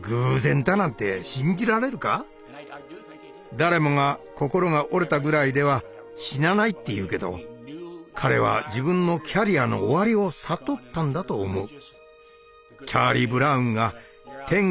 誰もが心が折れたぐらいでは死なないって言うけど彼は自分のキャリアの終わりを悟ったんだと思う。